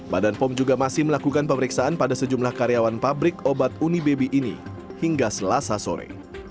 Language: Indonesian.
badan pom juga masih melakukan pemeriksaan pada sejumlah karyawan pabrik obat uni baby ini hingga selasa sore